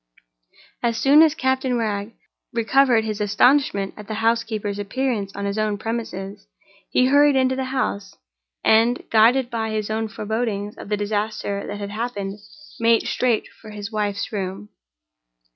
As soon as Captain Wragge recovered his astonishment at the housekeeper's appearance on his own premises, he hurried into the house, and, guided by his own forebodings of the disaster that had happened, made straight for his wife's room.